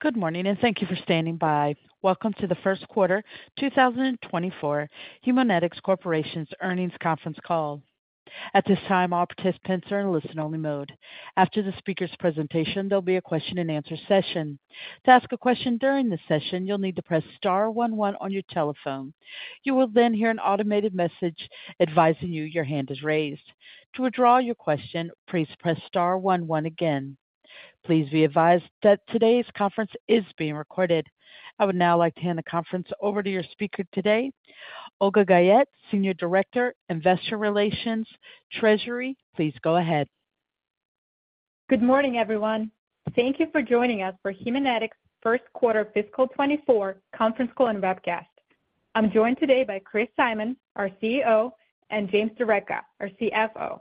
Good morning, and thank you for standing by. Welcome to the 1st quarter 2024 Haemonetics Corporation's earnings conference call. At this time, all participants are in listen-only mode. After the speaker's presentation, there'll be a question-and-answer session. To ask a question during the session, you'll need to press star one one on your telephone. You will then hear an automated message advising you your hand is raised. To withdraw your question, please press star one one again. Please be advised that today's conference is being recorded. I would now like to hand the conference over to your speaker today, Olga Guyette, Senior Director, Investor Relations, Treasury. Please go ahead. Good morning, everyone. Thank you for joining us for Haemonetics' first quarter fiscal 2024 conference call and webcast. I'm joined today by Chris Simon, our CEO, and James D'Arecca, our CFO.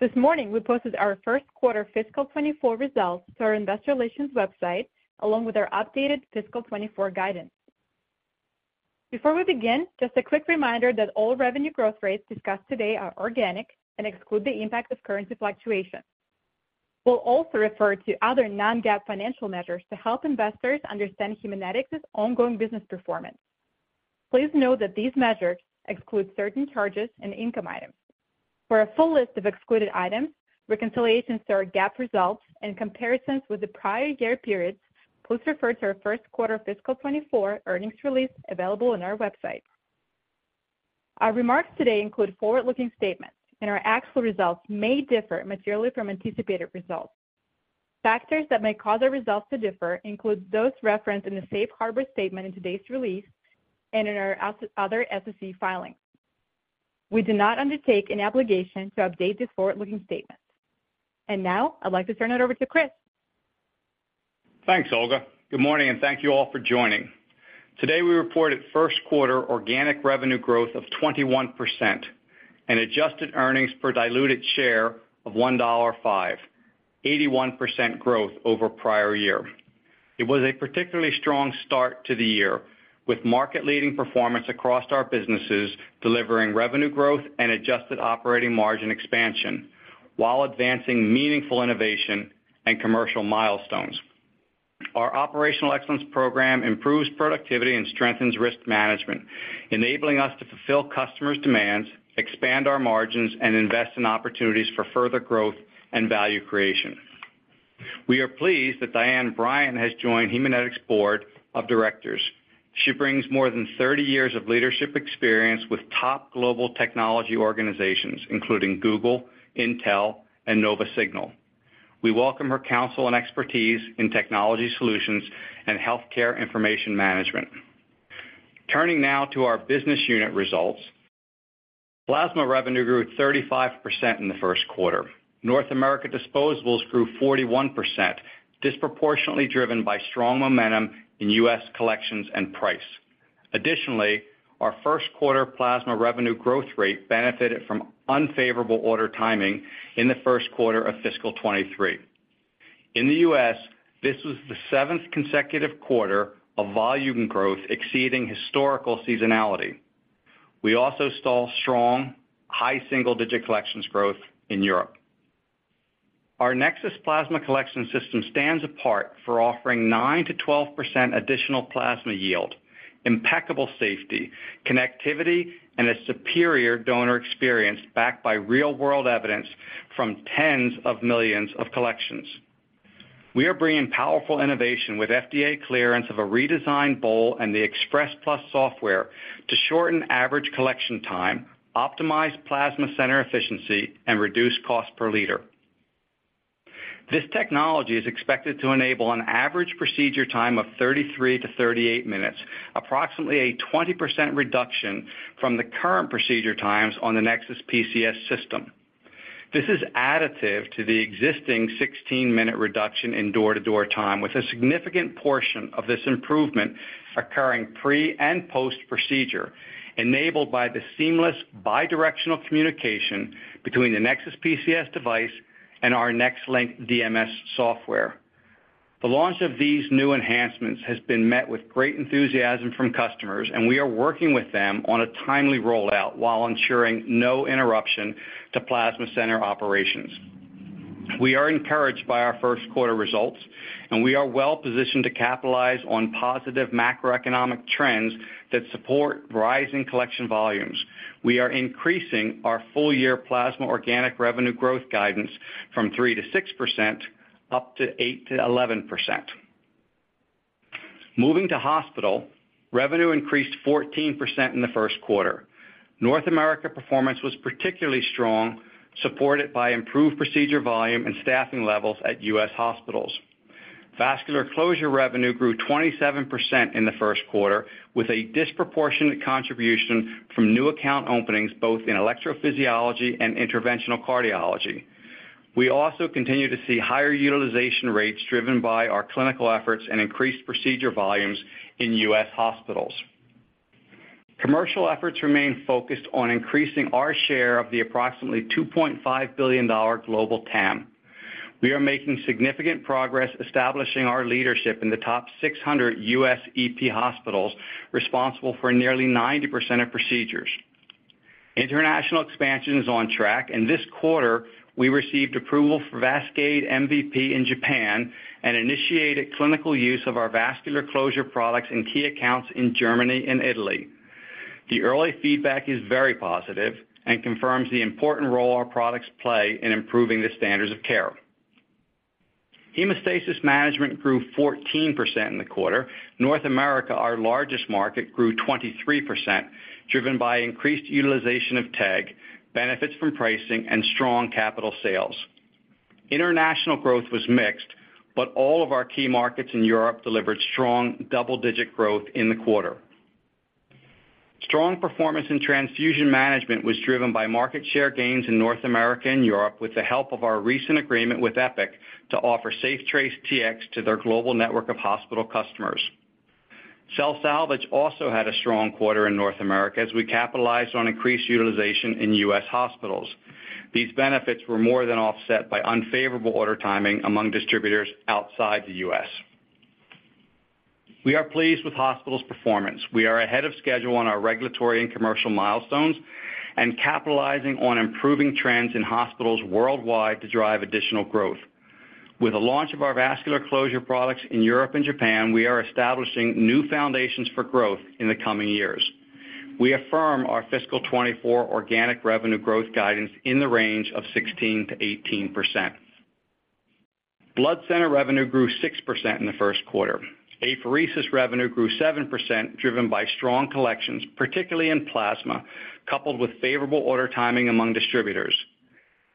This morning, we posted our first quarter fiscal 2024 results to our investor relations website, along with our updated fiscal 2024 guidance. Before we begin, just a quick reminder that all revenue growth rates discussed today are organic and exclude the impact of currency fluctuations. We'll also refer to other non-GAAP financial measures to help investors understand Haemonetics' ongoing business performance. Please note that these measures exclude certain charges and income items. For a full list of excluded items, reconciliations to our GAAP results, and comparisons with the prior year periods, please refer to our first quarter fiscal 2024 earnings release available on our website. Our remarks today include forward-looking statements. Our actual results may differ materially from anticipated results. Factors that may cause our results to differ include those referenced in the safe harbor statement in today's release and in our other SEC filings. We do not undertake an obligation to update the forward-looking statement. Now I'd like to turn it over to Chris. Thanks, Olga. Good morning, and thank you all for joining. Today, we reported first quarter organic revenue growth of 21% and adjusted earnings per diluted share of $1.05, 81% growth over prior year. It was a particularly strong start to the year, with market-leading performance across our businesses, delivering revenue growth and adjusted operating margin expansion while advancing meaningful innovation and commercial milestones. Our Operational Excellence Program improves productivity and strengthens risk management, enabling us to fulfill customers' demands, expand our margins, and invest in opportunities for further growth and value creation. We are pleased that Diane Bryant has joined Haemonetics' Board of Directors. She brings more than 30 years of leadership experience with top global technology organizations, including Google, Intel, and NovaSignal. We welcome her counsel and expertise in technology solutions and healthcare information management. Turning now to our business unit results. Plasma revenue grew 35% in the first quarter. North America disposables grew 41%, disproportionately driven by strong momentum in US collections and price. Additionally, our first quarter plasma revenue growth rate benefited from unfavorable order timing in the first quarter of fiscal 2023. In the US, this was the 7th consecutive quarter of volume growth exceeding historical seasonality. We also saw strong, high single-digit collections growth in Europe. Our NexSys plasma collection system stands apart for offering 9%-12% additional plasma yield, impeccable safety, connectivity, and a superior donor experience backed by real-world evidence from tens of millions of collections. We are bringing powerful innovation with FDA clearance of a redesigned bowl and the ExpressPlus software to shorten average collection time, optimize plasma center efficiency, and reduce cost per liter. This technology is expected to enable an average procedure time of 33-38 minutes, approximately a 20% reduction from the current procedure times on the NexSys PCS system. This is additive to the existing 16-minute reduction in door-to-door time, with a significant portion of this improvement occurring pre and post-procedure, enabled by the seamless bidirectional communication between the NexSys PCS device and our NexLynk DMS software. The launch of these new enhancements has been met with great enthusiasm from customers, and we are working with them on a timely rollout while ensuring no interruption to plasma center operations. We are encouraged by our first quarter results, and we are well positioned to capitalize on positive macroeconomic trends that support rising collection volumes. We are increasing our full-year plasma organic revenue growth guidance from 3%-6%, up to 8%-11%. Moving to hospital, revenue increased 14% in the first quarter. North America performance was particularly strong, supported by improved procedure volume and staffing levels at US hospitals. Vascular closure revenue grew 27% in the first quarter, with a disproportionate contribution from new account openings, both in electrophysiology and interventional cardiology. We also continue to see higher utilization rates driven by our clinical efforts and increased procedure volumes in US hospitals. Commercial efforts remain focused on increasing our share of the approximately $2.5 billion global TAM. We are making significant progress establishing our leadership in the top 600 US EP hospitals, responsible for nearly 90% of procedures. International expansion is on track. This quarter, we received approval for VASCADE MVP in Japan and initiated clinical use of our vascular closure products in key accounts in Germany and Italy. The early feedback is very positive and confirms the important role our products play in improving the standards of care. Hemostasis management grew 14% in the quarter. North America, our largest market, grew 23%, driven by increased utilization of TEG, benefits from pricing, and strong capital sales. International growth was mixed, all of our key markets in Europe delivered strong double-digit growth in the quarter. Strong performance in transfusion management was driven by market share gains in North America and Europe, with the help of our recent agreement with Epic to offer SafeTrace Tx to their global network of hospital customers. Cell salvage also had a strong quarter in North America as we capitalized on increased utilization in U.S. hospitals. These benefits were more than offset by unfavorable order timing among distributors outside the U.S. We are pleased with hospitals' performance. We are ahead of schedule on our regulatory and commercial milestones and capitalizing on improving trends in hospitals worldwide to drive additional growth. With the launch of our vascular closure products in Europe and Japan, we are establishing new foundations for growth in the coming years. We affirm our fiscal 2024 organic revenue growth guidance in the range of 16%-18%. Blood Center revenue grew 6% in the first quarter. Apheresis revenue grew 7%, driven by strong collections, particularly in plasma, coupled with favorable order timing among distributors.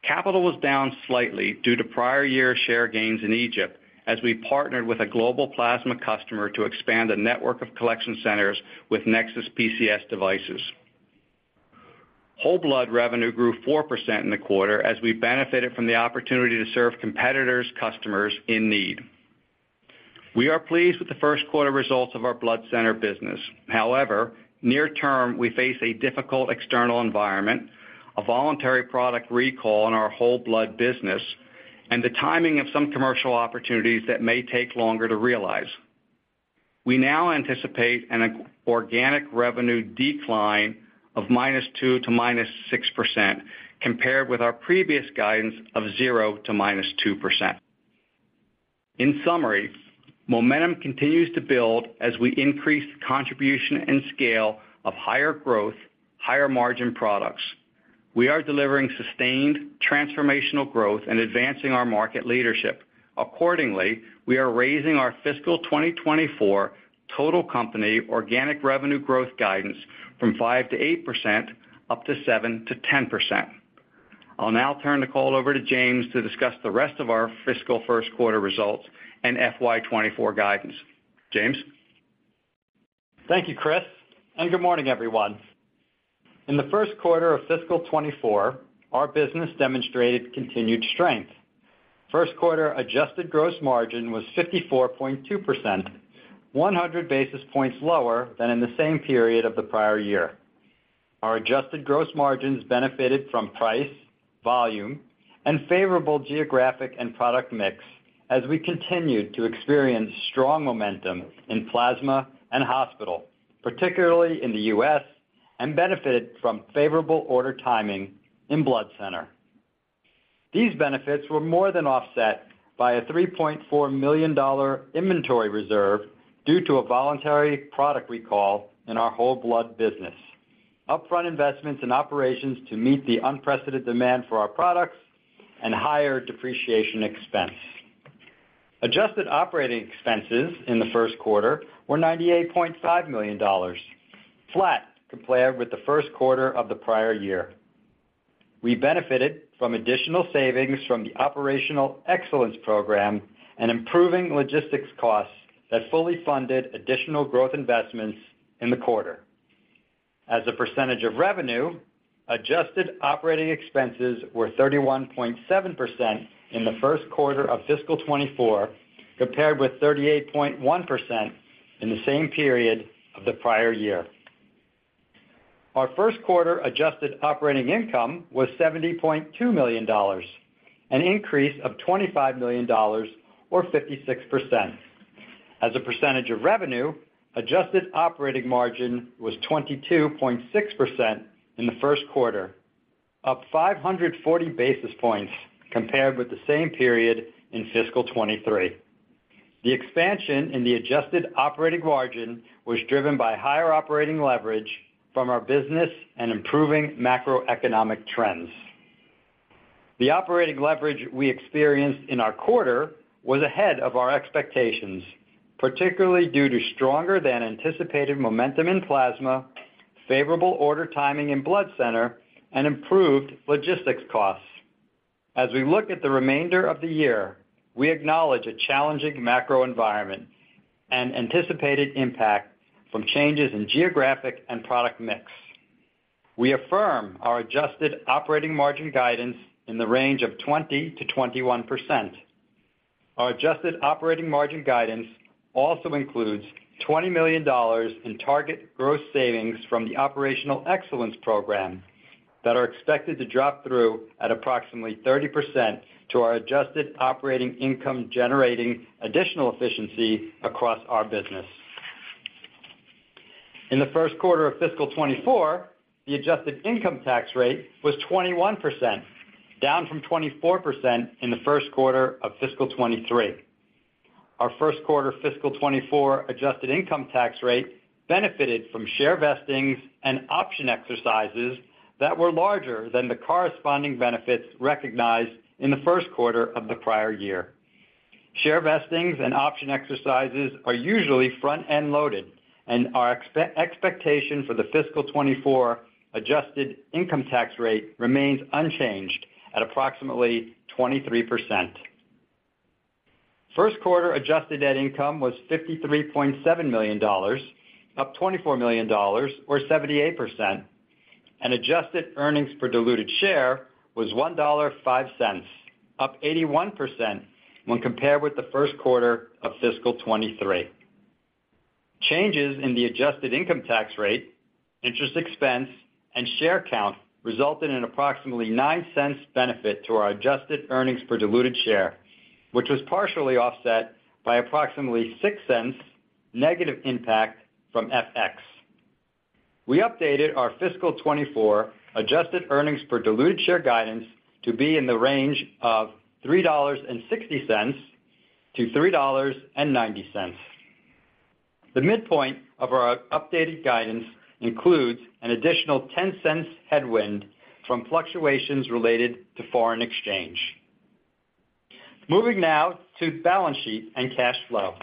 Capital was down slightly due to prior year share gains in Egypt as we partnered with a global plasma customer to expand a network of collection centers with NexSys PCS devices. Whole blood revenue grew 4% in the quarter as we benefited from the opportunity to serve competitors' customers in need. We are pleased with the first quarter results of our Blood Center business. Near term, we face a difficult external environment, a voluntary product recall in our whole blood business, and the timing of some commercial opportunities that may take longer to realize. We now anticipate an organic revenue decline of -2% to -6%, compared with our previous guidance of 0% to -2%. In summary, momentum continues to build as we increase contribution and scale of higher growth, higher margin products. We are delivering sustained transformational growth and advancing our market leadership. Accordingly, we are raising our fiscal 2024 total company organic revenue growth guidance from 5%-8% up to 7%-10%. I'll now turn the call over to James to discuss the rest of our fiscal first quarter results and FY 2024 guidance. James? Thank you, Chris, and good morning, everyone. In the first quarter of fiscal 2024, our business demonstrated continued strength. First quarter adjusted gross margin was 54.2%, 100 basis points lower than in the same period of the prior year. Our adjusted gross margins benefited from price, volume, and favorable geographic and product mix as we continued to experience strong momentum in Plasma and Hospital, particularly in the U.S., and benefited from favorable order timing in Blood Center. These benefits were more than offset by a $3.4 million inventory reserve due to a voluntary product recall in our whole blood business, upfront investments in operations to meet the unprecedented demand for our products, and higher depreciation expense. Adjusted operating expenses in the first quarter were $98.5 million, flat compared with the first quarter of the prior year. We benefited from additional savings from the Operational Excellence Program and improving logistics costs that fully funded additional growth investments in the quarter. Percentage of revenue, adjusted operating expenses were 31.7% in the first quarter of fiscal 2024, compared with 38.1% in the same period of the prior year. Our first quarter adjusted operating income was $70.2 million, an increase of $25 million or 56%. Percentage of revenue, adjusted operating margin was 22.6% in the first quarter, up 540 basis points compared with the same period in fiscal 2023. The expansion in the adjusted operating margin was driven by higher operating leverage from our business and improving macroeconomic trends. The operating leverage we experienced in our quarter was ahead of our expectations, particularly due to stronger-than-anticipated momentum in Plasma, favorable order timing in Blood Center, and improved logistics costs. As we look at the remainder of the year, we acknowledge a challenging macro environment and anticipated impact from changes in geographic and product mix. We affirm our adjusted operating margin guidance in the range of 20%-21%. Our adjusted operating margin guidance also includes $20 million in target gross savings from the Operational Excellence Program that are expected to drop through at approximately 30% to our adjusted operating income, generating additional efficiency across our business. In the first quarter of fiscal 2024, the adjusted income tax rate was 21%, down from 24% in the first quarter of fiscal 2023. Our first quarter fiscal 2024 adjusted income tax rate benefited from share vestings and option exercises that were larger than the corresponding benefits recognized in the first quarter of the prior year. Share vestings and option exercises are usually front-end loaded, and our expectation for the fiscal 2024 adjusted income tax rate remains unchanged at approximately 23%. First quarter adjusted net income was $53.7 million, up $24 million or 78%, and adjusted earnings per diluted share was $1.05, up 81% when compared with the first quarter of fiscal 2023. Changes in the adjusted income tax rate, interest expense, and share count resulted in approximately $0.09 benefit to our adjusted earnings per diluted share, which was partially offset by approximately $0.06 negative impact from FX. We updated our fiscal 2024 adjusted earnings per diluted share guidance to be in the range of $3.60-$3.90. The midpoint of our updated guidance includes an additional $0.10 headwind from fluctuations related to foreign exchange. Moving now to balance sheet and cash flow.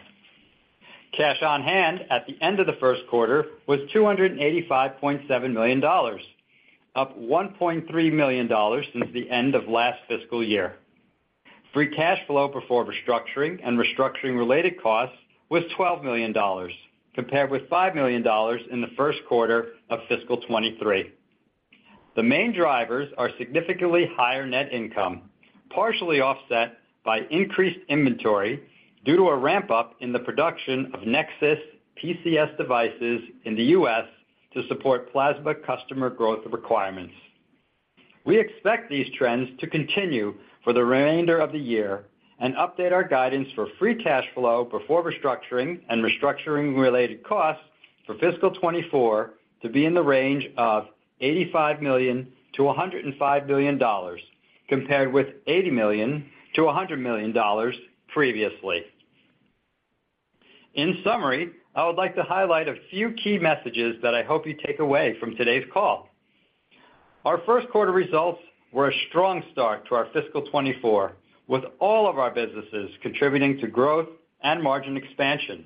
Cash on hand at the end of the first quarter was $285.7 million, up $1.3 million since the end of last fiscal year. Free cash flow before restructuring and restructuring-related costs was $12 million, compared with $5 million in the first quarter of fiscal 2023. The main drivers are significantly higher net income, partially offset by increased inventory due to a ramp-up in the production of NexSys PCS devices in the US to support plasma customer growth requirements. We expect these trends to continue for the remainder of the year and update our guidance for free cash flow before restructuring and restructuring-related costs for fiscal 2024 to be in the range of $85 million-$105 million, compared with $80 million-$100 million previously. In summary, I would like to highlight a few key messages that I hope you take away from today's call. Our first quarter results were a strong start to our fiscal 2024, with all of our businesses contributing to growth and margin expansion.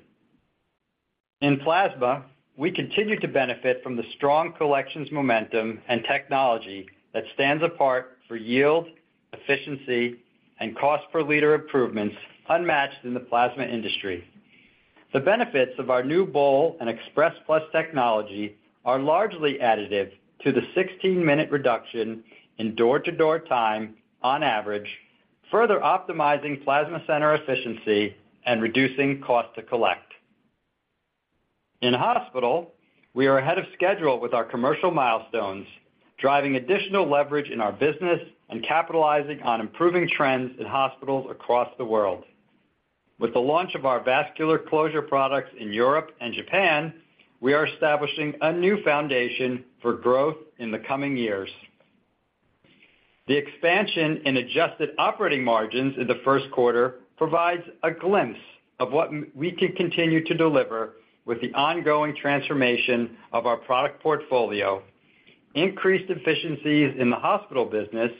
In plasma, we continue to benefit from the strong collections momentum and technology that stands apart for yield, efficiency, and cost per liter improvements unmatched in the plasma industry. The benefits of our new bowl and ExpressPlus technology are largely additive to the 16-minute reduction in door-to-door time on average, further optimizing plasma center efficiency and reducing cost to collect. In hospital, we are ahead of schedule with our commercial milestones, driving additional leverage in our business and capitalizing on improving trends in hospitals across the world. With the launch of our vascular closure products in Europe and Japan, we are establishing a new foundation for growth in the coming years. The expansion in adjusted operating margins in the first quarter provides a glimpse of what we can continue to deliver with the ongoing transformation of our product portfolio, increased efficiencies in the hospital business,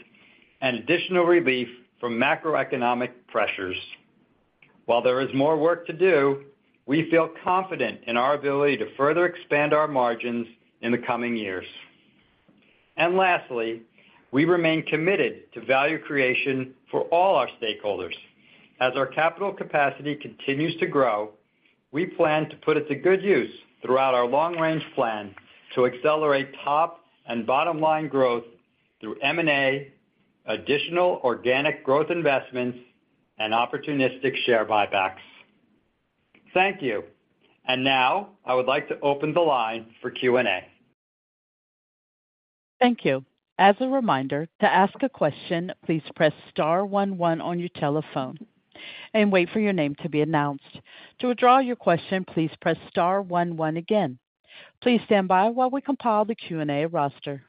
and additional relief from macroeconomic pressures. While there is more work to do, we feel confident in our ability to further expand our margins in the coming years. Lastly, we remain committed to value creation for all our stakeholders. As our capital capacity continues to grow, we plan to put it to good use throughout our long-range plan to accelerate top and bottom line growth through M&A, additional organic growth investments, and opportunistic share buybacks. Thank you. Now I would like to open the line for Q&A. Thank you. As a reminder, to ask a question, please press star one one on your telephone and wait for your name to be announced. To withdraw your question, please press star one one again. Please stand by while we compile the Q&A roster.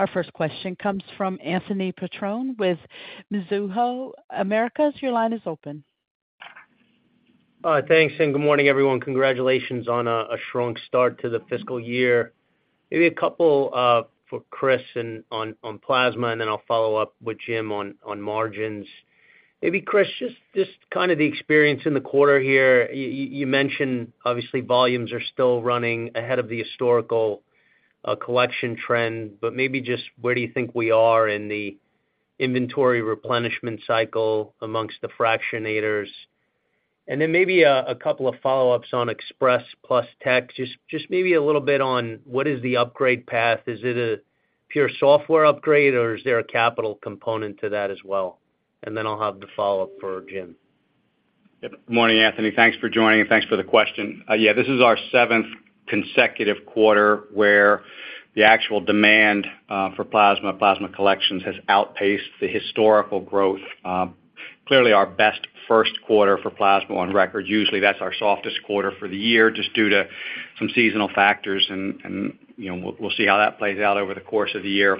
Our first question comes from Anthony Petrone with Mizuho Americas. Your line is open. Thanks, and good morning, everyone. Congratulations on a, a strong start to the fiscal year. Maybe a couple for Chris and on, on plasma, and then I'll follow up with Jim on, on margins. Maybe Chris, just, just kind of the experience in the quarter here. You, you, you mentioned obviously volumes are still running ahead of the historical collection trend, but maybe just where do you think we are in the inventory replenishment cycle amongst the fractionators? Then maybe a couple of follow-ups on ExpressPlus tech. Just, just maybe a little bit on what is the upgrade path. Is it a pure software upgrade, or is there a capital component to that as well? Then I'll have the follow-up for Jim. Yep. Morning, Anthony. Thanks for joining and thanks for the question. Yeah, this is our seventh consecutive quarter where the actual demand for plasma, plasma collections has outpaced the historical growth. Clearly our best first quarter for plasma on record. Usually, that's our softest quarter for the year, just due to some seasonal factors, and, and, you know, we'll, we'll see how that plays out over the course of the year.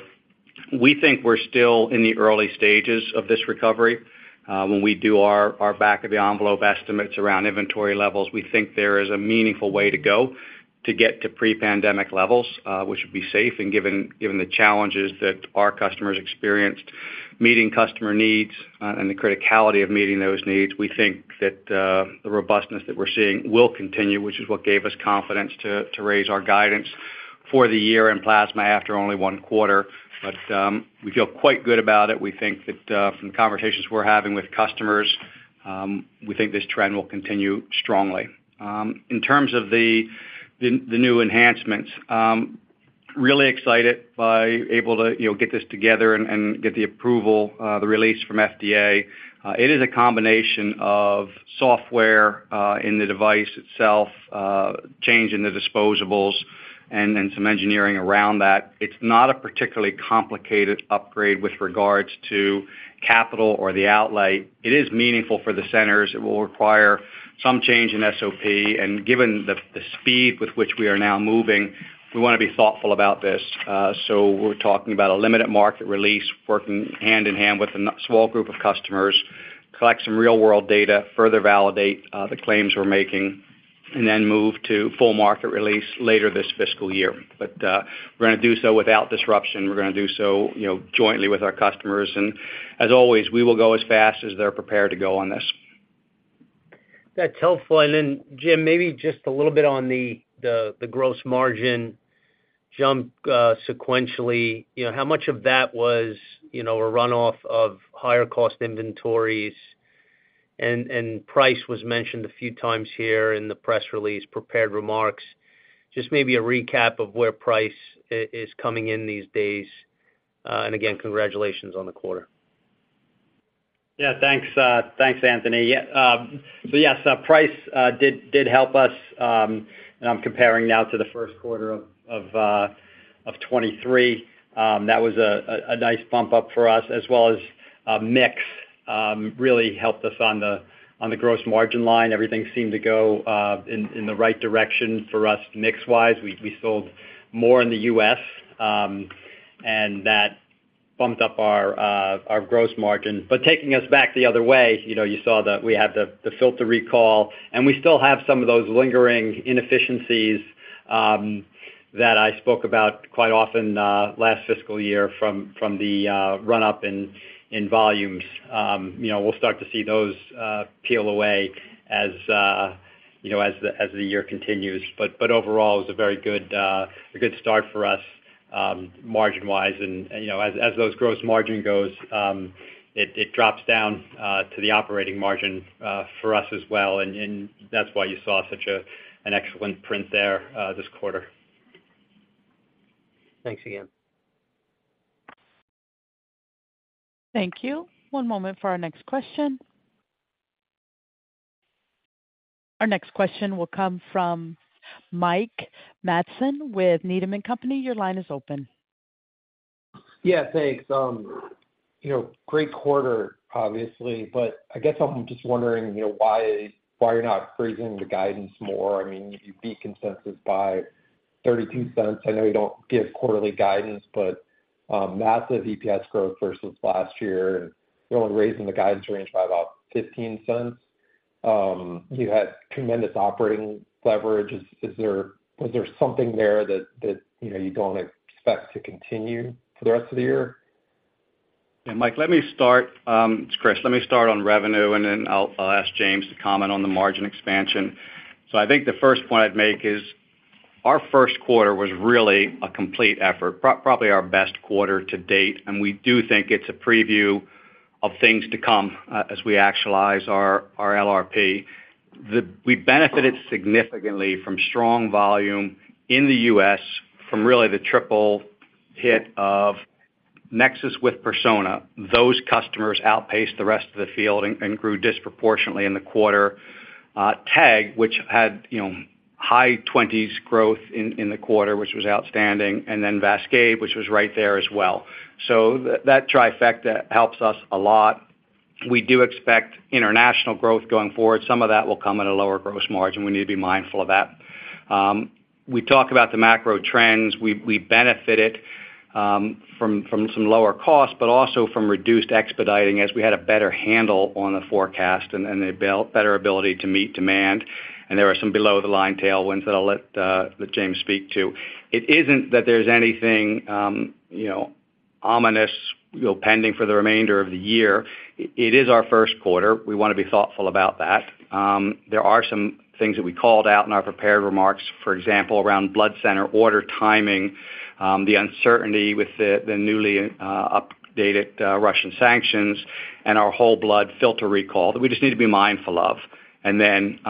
We think we're still in the early stages of this recovery. When we do our, our back-of-the-envelope estimates around inventory levels, we think there is a meaningful way to go to get to pre-pandemic levels, which would be safe. Given, given the challenges that our customers experienced, meeting customer needs, and the criticality of meeting those needs, we think that the robustness that we're seeing will continue, which is what gave us confidence to, to raise our guidance for the year in plasma after only one quarter. We feel quite good about it. We think that, from the conversations we're having with customers, we think this trend will continue strongly. In terms of the, the, the new enhancements, really excited by able to, you know, get this together and, and get the approval, the release from FDA. It is a combination of software, in the device itself, change in the disposables, and then some engineering around that. It's not a particularly complicated upgrade with regards to capital or the outlay. It is meaningful for the centers. It will require some change in SOP, and given the, the speed with which we are now moving, we want to be thoughtful about this. We're talking about a limited market release, working hand-in-hand with a small group of customers, collect some real-world data, further validate the claims we're making, and then move to full market release later this fiscal year. We're going to do so without disruption. We're going to do so, you know, jointly with our customers. As always, we will go as fast as they're prepared to go on this. That's helpful. Then, Jim, maybe just a little bit on the, the, the gross margin jump, sequentially? You know, how much of that was, you know, a runoff of higher-cost inventories? Price was mentioned a few times here in the press release, prepared remarks. Just maybe a recap of where price is coming in these days, and again, congratulations on the quarter? Yeah, thanks. Thanks, Anthony. Yeah, yes, price did help us, and I'm comparing now to the first quarter of 2023. That was a nice bump up for us, as well as mix really helped us on the gross margin line. Everything seemed to go in the right direction for us, mix-wise. We sold more in the US, and that bumped up our gross margin. Taking us back the other way, you know, you saw that we had the filter recall, and we still have some of those lingering inefficiencies that I spoke about quite often last fiscal year from the run-up in volumes. You know, we'll start to see those peel away as, you know, as the, as the year continues. Overall, it was a very good, a good start for us, margin-wise. You know, as, as those gross margin goes, it, it drops down to the operating margin for us as well. That's why you saw such a, an excellent print there, this quarter. Thanks again. Thank you. One moment for our next question. Our next question will come from Mike Matson with Needham & Company. Your line is open. Yeah, thanks. you know, great quarter, obviously, but I guess I'm just wondering, you know, why, why you're not raising the guidance more? I mean, you beat consensus by $0.32. I know you don't give quarterly guidance, but massive EPS growth versus last year, and you're only raising the guidance range by about $0.15. you had tremendous operating leverage. Was there something there that, that, you know, you don't expect to continue for the rest of the year? Yeah, Mike, let me start. It's Chris. Let me start on revenue, and then I'll, I'll ask James to comment on the margin expansion. I think the first point I'd make is, our first quarter was really a complete effort, probably our best quarter to date, and we do think it's a preview of things to come as we actualize our LRP. We benefited significantly from strong volume in the US, from really the triple hit of NexSys with Persona. Those customers outpaced the rest of the field and grew disproportionately in the quarter. TEG, which had, you know, high 20s growth in the quarter, which was outstanding, and then VASCADE, which was right there as well. That trifecta helps us a lot. We do expect international growth going forward. Some of that will come at a lower gross margin. We need to be mindful of that. We talk about the macro trends. We, we benefited from, from some lower costs, but also from reduced expediting, as we had a better handle on the forecast and, and a better ability to meet demand. There are some below-the-line tailwinds that I'll let that James speak to. It isn't that there's anything, you know, ominous, you know, pending for the remainder of the year. It, it is our first quarter. We want to be thoughtful about that. There are some things that we called out in our prepared remarks, for example, around blood center order timing, the uncertainty with the, the newly updated Russian sanctions, and our whole blood filter recall, that we just need to be mindful of. Then,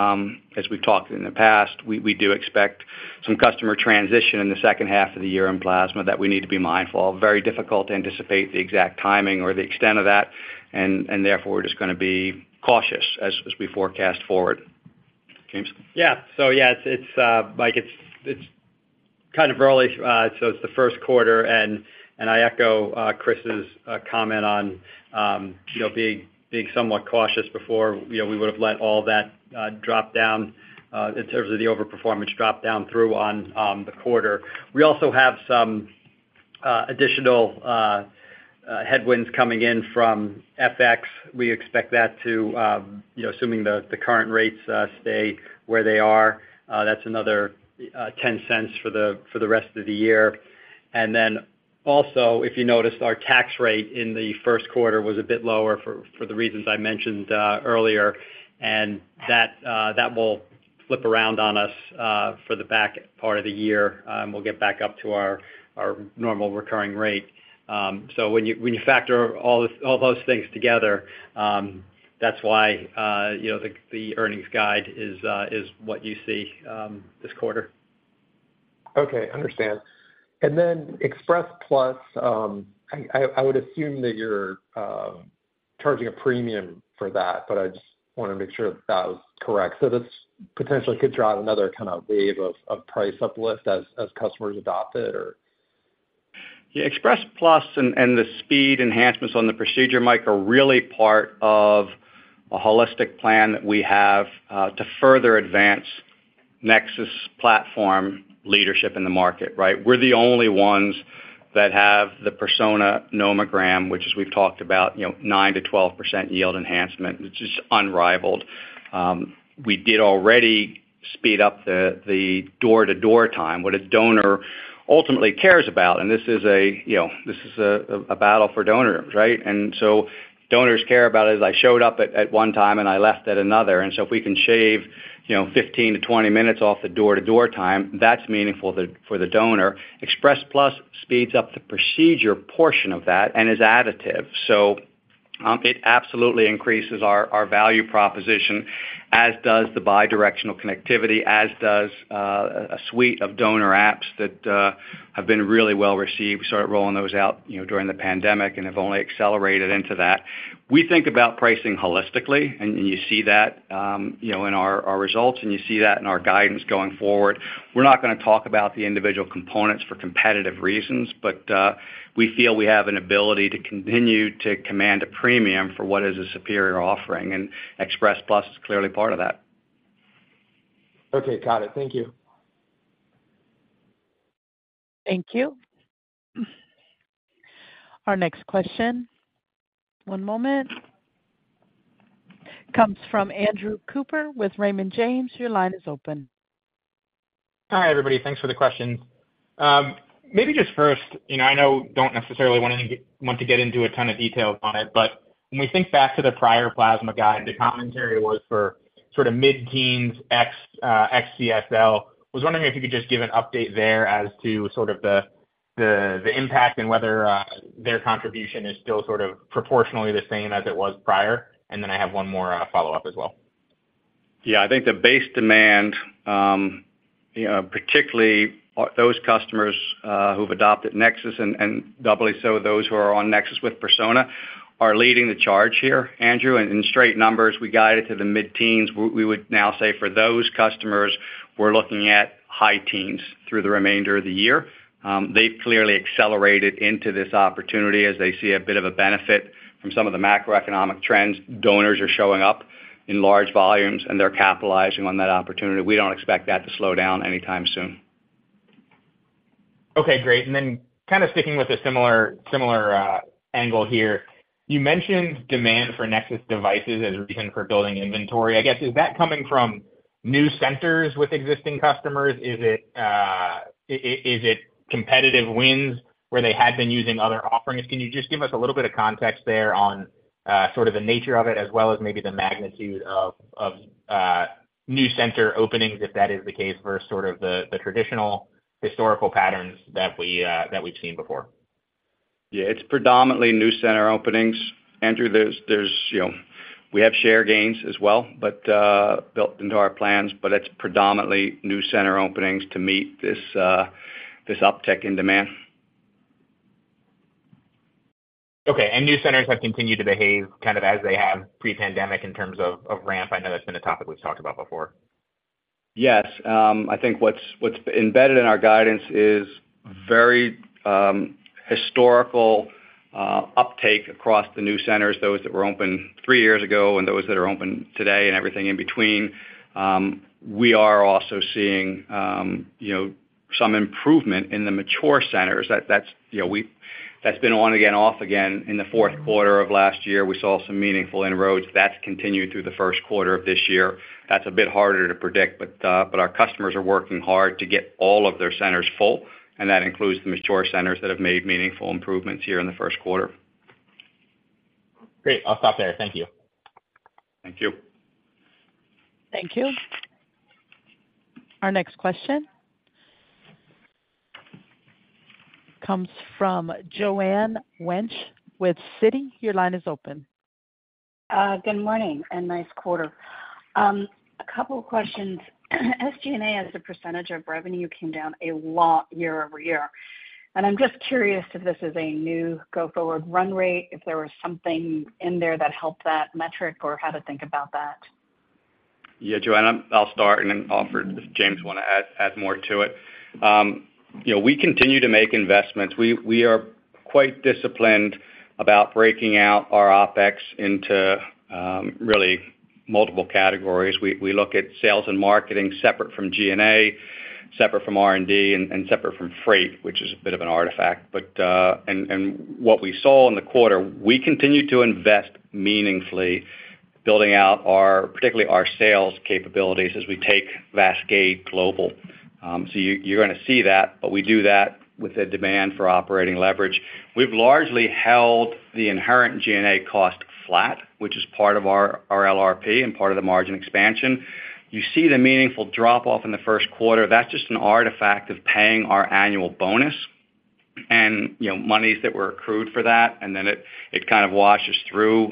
as we've talked in the past, we, we do expect some customer transition in the second half of the year in plasma that we need to be mindful of. Very difficult to anticipate the exact timing or the extent of that, and therefore, we're just going to be cautious as, as we forecast forward. Yeah, it's, like, it's, it's kind of early, so it's the first quarter, and I echo Chris's comment on, you know, being, being somewhat cautious before, you know, we would have let all that drop down in terms of the overperformance drop down through on, on the quarter. We also have some additional headwinds coming in from FX. We expect that to, you know, assuming the current rates stay where they are, that's another $0.10 for the rest of the year. Also, if you noticed, our tax rate in the first quarter was a bit lower for the reasons I mentioned earlier, and that will flip around on us for the back part of the year, we'll get back up to our normal recurring rate. When you factor all those, all those things together, that's why, you know, the earnings guide is what you see this quarter. Okay, understand. Then Xpress Plus, I, I, I would assume that you're charging a premium for that, but I just want to make sure that was correct. So this potentially could drive another kind of wave of, of price uplift as, as customers adopt it, or? Yeah, Xpress Plus and the speed enhancements on the procedure, Mike, are really part of a holistic plan that we have to further advance NexSys platform leadership in the market, right. We're the only ones that have the Persona nomogram, which, as we've talked about, you know, 9%-12% yield enhancement, which is unrivaled. We did already speed up the door-to-door time, what a donor ultimately cares about, and this is a, you know, this is a battle for donors, right. So donors care about it. I showed up at one time, and I left at another, so if we can shave, you know, 15-20 minutes off the door-to-door time, that's meaningful for the donor. Xpress Plus speeds up the procedure portion of that and is additive. It absolutely increases our, our value proposition, as does the bi-directional connectivity, as does a suite of donor apps that have been really well received. We started rolling those out, you know, during the pandemic and have only accelerated into that. We think about pricing holistically, and, and you see that, you know, in our, our results, and you see that in our guidance going forward. We're not gonna talk about the individual components for competitive reasons, but we feel we have an ability to continue to command a premium for what is a superior offering, and Xpress Plus is clearly part of that. Okay. Got it. Thank you. Thank you. Our next question, one moment, comes from Andrew Cooper with Raymond James. Your line is open. Hi, everybody. Thanks for the questions. maybe just first, you know, I know don't necessarily want to get into a ton of details on it, but when we think back to the prior plasma guide, the commentary was for sort of mid-teens ex CSL. Was wondering if you could just give an update there as to sort of the, the, the impact and whether their contribution is still sort of proportionally the same as it was prior? Then I have 1 more follow-up as well. Yeah, I think the base demand, you know, particularly those customers, who've adopted NexSys and, and doubly so those who are on NexSys with Persona, are leading the charge here, Andrew. In straight numbers, we guide it to the mid-teens. We would now say for those customers, we're looking at high teens through the remainder of the year. They've clearly accelerated into this opportunity as they see a bit of a benefit from some of the macroeconomic trends. Donors are showing up in large volumes, and they're capitalizing on that opportunity. We don't expect that to slow down anytime soon. Okay, great. Then kind of sticking with a similar, similar angle here, you mentioned demand for NexSys devices as a reason for building inventory. I guess, is that coming from new centers with existing customers? Is it, is it competitive wins, where they had been using other offerings? Can you just give us a little bit of context there on sort of the nature of it, as well as maybe the magnitude of, of new center openings, if that is the case, versus sort of the, the traditional historical patterns that we that we've seen before? It's predominantly new center openings, Andrew. There's, you know, we have share gains as well, but built into our plans, but it's predominantly new center openings to meet this uptick in demand. Okay, new centers have continued to behave kind of as they have pre-pandemic in terms of ramp? I know that's been a topic we've talked about before. Yes. I think what's, what's embedded in our guidance is very historical uptake across the new centers, those that were open three years ago and those that are open today and everything in between. We are also seeing, you know, some improvement in the mature centers. That's been on again, off again in the fourth quarter of last year. We saw some meaningful inroads. That's continued through the first quarter of this year. That's a bit harder to predict, but our customers are working hard to get all of their centers full, and that includes the mature centers that have made meaningful improvements here in the first quarter. Great. I'll stop there. Thank you. Thank you. Thank you. Our next question comes from Joanne Wuensch with Citi. Your line is open. Good morning and nice quarter. A couple of questions. SG&A, as a % of revenue, came down a lot year-over-year. I'm just curious if this is a new go-forward run rate, if there was something in there that helped that metric, or how to think about that? Yeah, Joanne, I'll start, and then offer if James want to add, add more to it. You know, we continue to make investments. We, we are quite disciplined about breaking out our OpEx into really multiple categories. We, we look at sales and marketing separate from G&A, separate from R&D, and, and separate from freight, which is a bit of an artifact. What we saw in the quarter, we continued to invest meaningfully, building out our, particularly our sales capabilities as we take VASCADE global. You, you're going to see that, but we do that with a demand for operating leverage. We've largely held the inherent G&A cost flat, which is part of our, our LRP and part of the margin expansion. You see the meaningful drop-off in the first quarter. That's just an artifact of paying our annual bonus and, you know, monies that were accrued for that, and then it, it kind of washes through.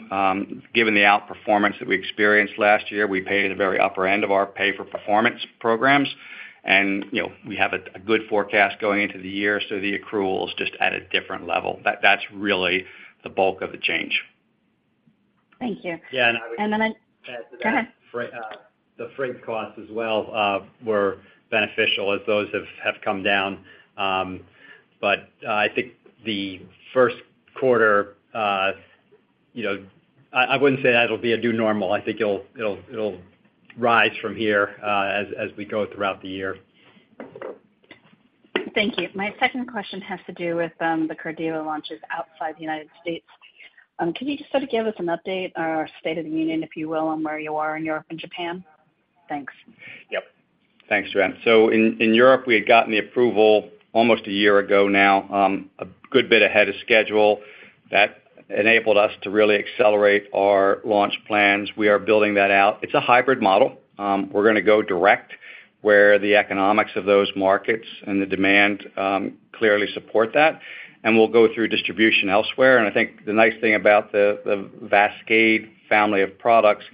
Given the outperformance that we experienced last year, we paid at the very upper end of our pay-for-performance programs. You know, we have a, a good forecast going into the year, so the accrual is just at a different level. That's really the bulk of the change. Thank you. Yeah, and I. I... Go ahead. The freight costs as well, were beneficial as those have, have come down. I think the first quarter, you know, I, I wouldn't say that'll be a new normal. I think it'll, it'll, it'll rise from here, as, as we go throughout the year. Thank you. My second question has to do with the Cardiva launches outside the U.S. Can you just sort of give us an update or state of the union, if you will, on where you are in Europe and Japan? Thanks. Yep. Thanks, Joanne. In, in Europe, we had gotten the approval almost a year ago now, a good bit ahead of schedule. That enabled us to really accelerate our launch plans. We are building that out. It's a hybrid model. We're going to go direct where the economics of those markets and the demand clearly support that, and we'll go through distribution elsewhere. I think the nice thing about the VASCADE family of products,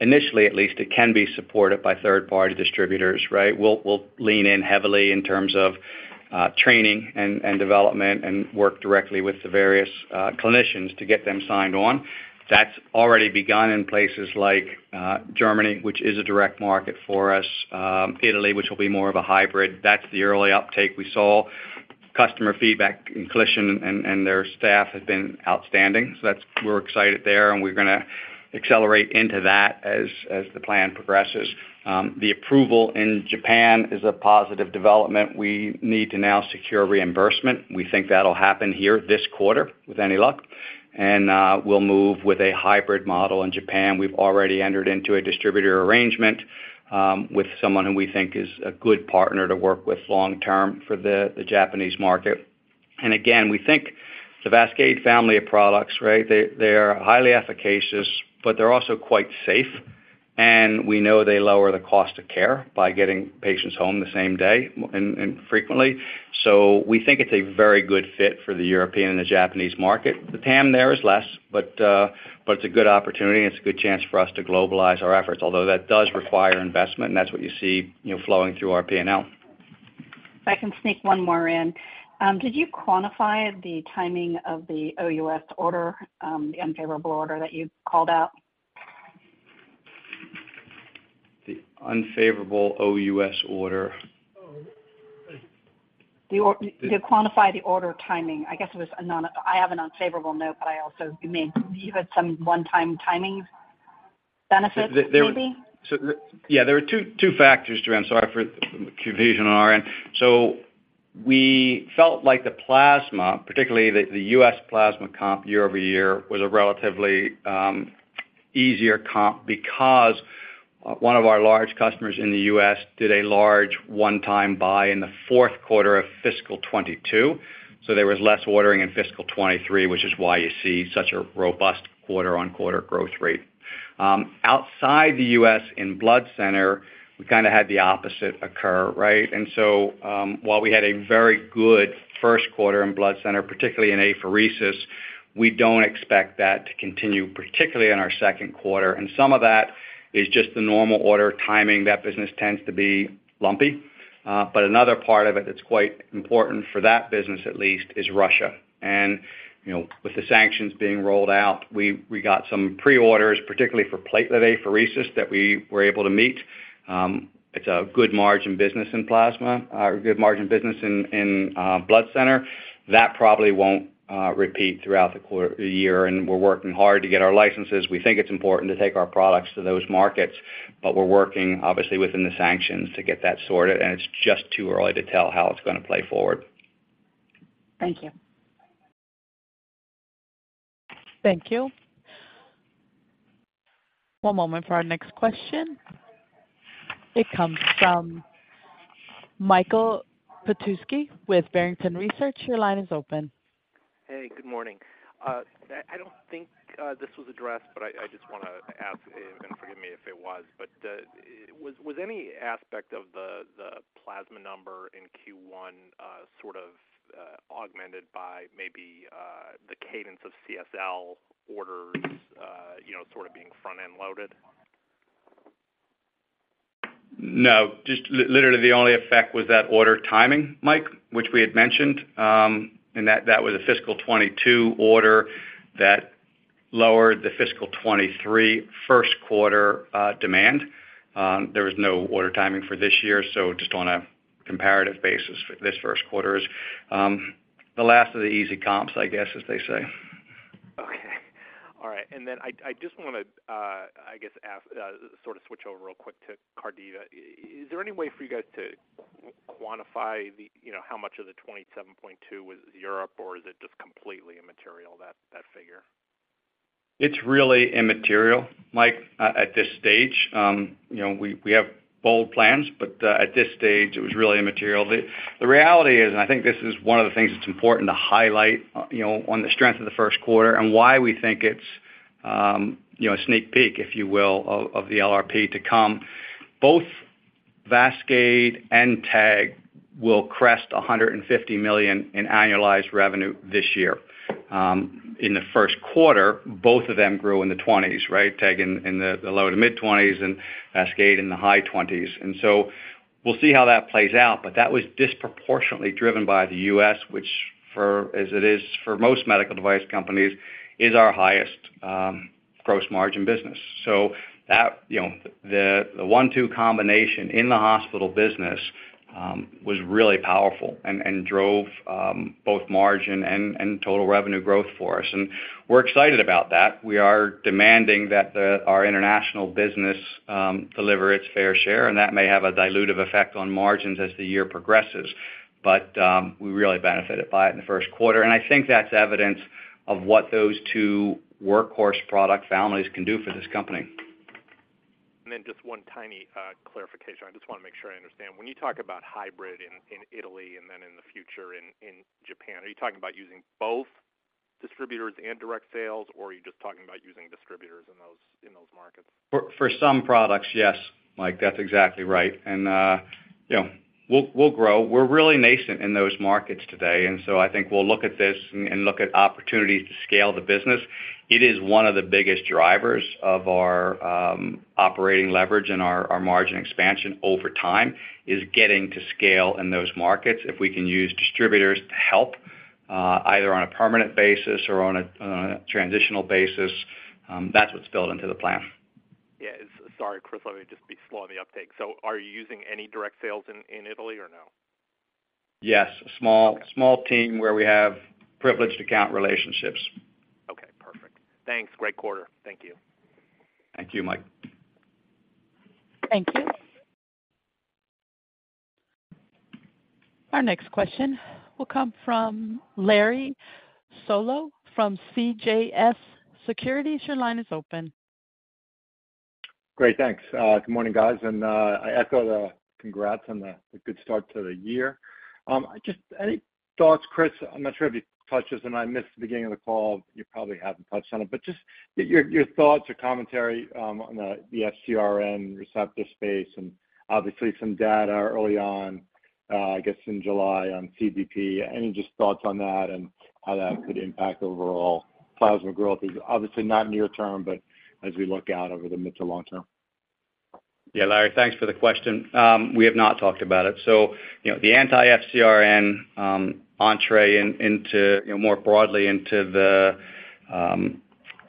initially at least, it can be supported by third-party distributors, right? We'll, we'll lean in heavily in terms of training and, and development and work directly with the various clinicians to get them signed on. That's already begun in places like Germany, which is a direct market for us, Italy, which will be more of a hybrid. That's the early uptake we saw. Customer feedback and clinician and their staff have been outstanding. So that's, we're excited there, and we're going to accelerate into that as the plan progresses. The approval in Japan is a positive development. We need to now secure reimbursement. We think that'll happen here this quarter, with any luck. We'll move with a hybrid model in Japan. We've already entered into a distributor arrangement with someone who we think is a good partner to work with long term for the Japanese market. Again, we think the VASCADE family of products, right, they are highly efficacious, but they're also quite safe, and we know they lower the cost of care by getting patients home the same day and frequently. We think it's a very good fit for the European and the Japanese market. The TAM there is less, but, but it's a good opportunity, and it's a good chance for us to globalize our efforts, although that does require investment, and that's what you see, you know, flowing through our P&L. If I can sneak one more in. Did you quantify the timing of the OUS order, the unfavorable order that you called out? The unfavorable OUS order. Did you quantify the order timing? I guess it was. I have an unfavorable note, but I also, you may... You had some one-time timing benefits, maybe? Yeah, there were 2 factors, Joanna. Sorry for the confusion on our end. We felt like the plasma, particularly the U.S. plasma comp year-over-year, was a relatively easier comp because one of our large customers in the U.S. did a large one-time buy in the fourth quarter of fiscal 2022, so there was less ordering in fiscal 2023, which is why you see such a robust quarter-on-quarter growth rate. Outside the U.S., in blood center, we kind of had the opposite occur, right? While we had a very good first quarter in blood center, particularly in apheresis, we don't expect that to continue, particularly in our second quarter. Some of that is just the normal order timing. That business tends to be lumpy. Another part of it that's quite important for that business at least, is Russia. You know, with the sanctions being rolled out, we, we got some pre-orders, particularly for platelet apheresis, that we were able to meet. It's a good margin business in plasma, or a good margin business in, in blood center. That probably won't repeat throughout the quarter, the year, and we're working hard to get our licenses. We think it's important to take our products to those markets, but we're working obviously within the sanctions to get that sorted, and it's just too early to tell how it's going to play forward. Thank you. Thank you. One moment for our next question. It comes from Michael Petusky with Barrington Research. Your line is open. Hey, good morning. I, I don't think this was addressed, but I, I just want to ask, and forgive me if it was, but was, was any aspect of the, the plasma number in Q1, sort of, augmented by maybe, the cadence of CSL orders, you know, sort of being front-end loaded? No, just literally, the only effect was that order timing, Mike, which we had mentioned, and that was a fiscal 2022 order that lowered the fiscal 2023 first quarter demand. There was no order timing for this year, so just on a comparative basis for this first quarter is the last of the easy comps, I guess, as they say. Okay. All right, then I, I just wanna, I guess, ask, sort of switch over real quick to Cardiva. Is there any way for you guys to quantify the, you know, how much of the 27.2 was Europe, or is it just completely immaterial, that, that figure? It's really immaterial, Mike, at this stage. You know, we, we have bold plans, but at this stage, it was really immaterial. The reality is, I think this is one of the things that's important to highlight, you know, on the strength of the first quarter and why we think it's, you know, a sneak peek, if you will, of, of the LRP to come, both VASCADE and TEG will crest $150 million in annualized revenue this year. In the first quarter, both of them grew in the 20s, right? TEG in, in the, the low to mid-20s and VASCADE in the high 20s. We'll see how that plays out, but that was disproportionately driven by the US, which for, as it is for most medical device companies, is our highest gross margin business. That, you know, the, the 1-2 combination in the hospital business was really powerful and, and drove both margin and, and total revenue growth for us. We're excited about that. We are demanding that our international business deliver its fair share, and that may have a dilutive effect on margins as the year progresses. We really benefited by it in the 1st quarter, and I think that's evidence of what those two workhorse product families can do for this company. Just one tiny clarification. I just wanna make sure I understand. When you talk about hybrid in Italy and then in the future in Japan, are you talking about using both distributors and direct sales, or are you just talking about using distributors in those, in those markets? For, for some products, yes, Mike, that's exactly right. You know, we'll, we'll grow. We're really nascent in those markets today, and so I think we'll look at this and, and look at opportunities to scale the business. It is one of the biggest drivers of our operating leverage and our, our margin expansion over time, is getting to scale in those markets. If we can use distributors to help either on a permanent basis or on a, on a transitional basis, that's what's built into the plan. Yeah, it's... Sorry, Chris, let me just be slow on the uptake. Are you using any direct sales in, in Italy or no? Yes, a small- Okay. small team where we have privileged account relationships. Okay, perfect. Thanks. Great quarter. Thank you. Thank you, Mike. Thank you. Our next question will come from Larry Solow from CJS Securities. Your line is open. Great, thanks. Good morning, guys, I echo the congrats on the good start to the year. Just any thoughts, Chris, I'm not sure if you touched this, and I missed the beginning of the call, you probably haven't touched on it, but just your, your thoughts or commentary on the FcRn receptor space and obviously some data early on, I guess in July on CIDP. Any just thoughts on that and how that could impact overall plasma growth is obviously not near term, but as we look out over the mid to long term? Yeah, Larry, thanks for the question. We have not talked about it. You know, the anti-FcRn entree in, into, you know, more broadly into the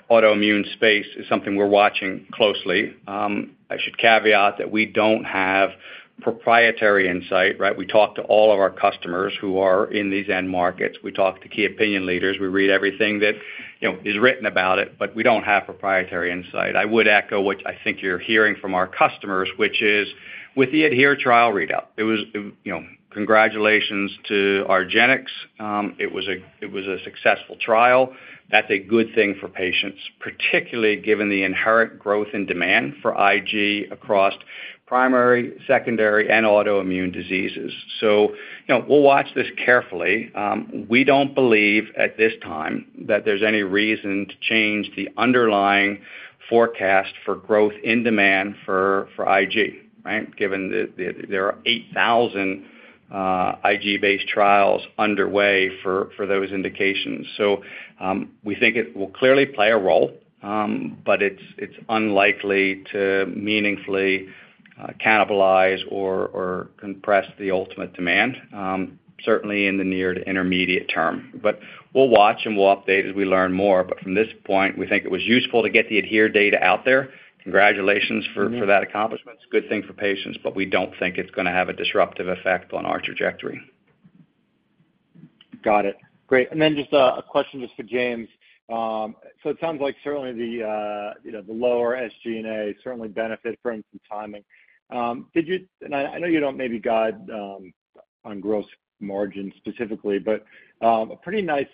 autoimmune space is something we're watching closely. I should caveat that we don't have proprietary insight, right? We talk to all of our customers who are in these end markets. We talk to key opinion leaders. We read everything that, you know, is written about it, but we don't have proprietary insight. I would echo what I think you're hearing from our customers, which is with the ADHERE trial readout, it was, you know, congratulations to Argenx. It was a successful trial. That's a good thing for patients, particularly given the inherent growth and demand for IG across primary, secondary, and autoimmune diseases. You know, we'll watch this carefully. We don't believe at this time that there's any reason to change the underlying forecast for growth in demand for IG, right? Given the, there are 8,000 IG-based trials underway for those indications. We think it will clearly play a role, but it's unlikely to meaningfully cannibalize or compress the ultimate demand, certainly in the near to intermediate term. We'll watch, and we'll update as we learn more. From this point, we think it was useful to get the ADHERE data out there. Congratulations for- Mm-hmm. for that accomplishment. It's a good thing for patients, but we don't think it's gonna have a disruptive effect on our trajectory. Got it. Great, just a question just for James. It sounds like certainly the, you know, the lower SG&A certainly benefit from some timing. Did you... I, I know you don't maybe guide on gross margin specifically, but a pretty nice,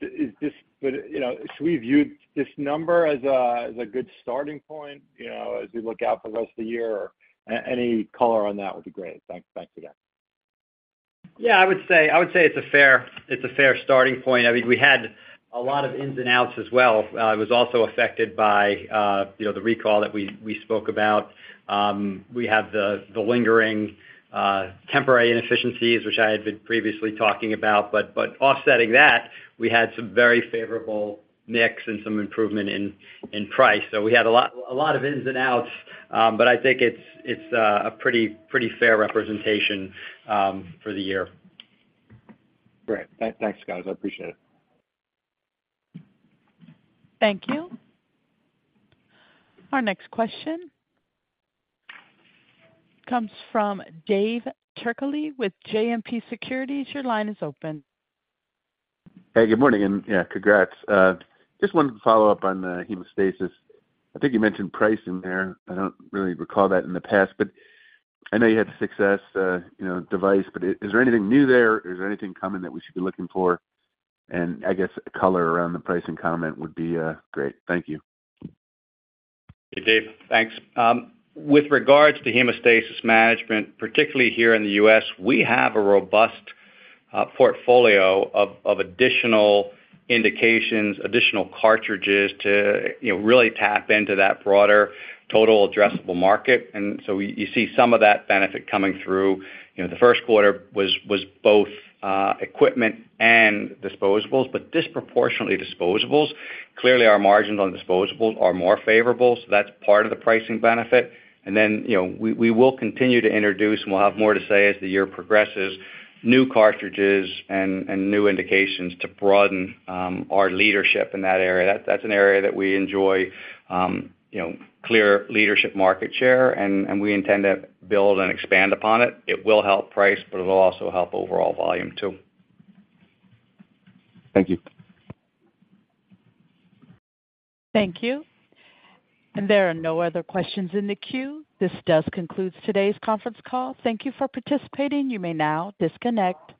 is this, would, you know, should we view this number as a, as a good starting point, you know, as we look out for the rest of the year? Any color on that would be great. Thanks. Thanks again. Yeah, I would say, I would say it's a fair, it's a fair starting point. I mean, we had a lot of ins and outs as well. It was also affected by, you know, the recall that we, we spoke about. We have the, the lingering, temporary inefficiencies, which I had been previously talking about. But offsetting that, we had some very favorable mix and some improvement in, in price. We had a lot, a lot of ins and outs, but I think it's, it's a pretty, pretty fair representation for the year. Great. Thanks, guys. I appreciate it. Thank you. Our next question comes from David Turkaly with JMP Securities. Your line is open. Hey, good morning, and, yeah, congrats. Just wanted to follow up on the hemostasis. I think you mentioned price in there. I don't really recall that in the past, but I know you had success, you know, device, but is there anything new there? Is there anything coming that we should be looking for? I guess color around the pricing comment would be great. Thank you. Hey, Dave, thanks. With regards to hemostasis management, particularly here in the US, we have a robust portfolio of additional indications, additional cartridges to, you know, really tap into that broader total addressable market. You see some of that benefit coming through. You know, the first quarter was both equipment and disposables, but disproportionately disposables. Clearly, our margins on disposables are more favorable, so that's part of the pricing benefit. You know, we will continue to introduce, and we'll have more to say as the year progresses, new cartridges and new indications to broaden our leadership in that area. That's an area that we enjoy, you know, clear leadership market share, and we intend to build and expand upon it. It will help price, but it'll also help overall volume, too. Thank you. Thank you. There are no other questions in the queue. This does conclude today's conference call. Thank you for participating. You may now disconnect.